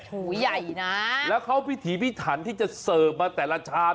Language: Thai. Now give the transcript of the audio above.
หูใหญ่นะแล้วเขาพิถีพิถันที่จะเสิร์ฟมาแต่ละชาม